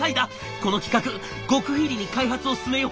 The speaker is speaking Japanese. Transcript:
この企画極秘裏に開発を進めよう。